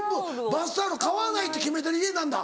バスタオル買わないって決めてる家なんだ。